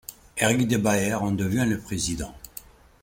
Eric Debaere en devient le président.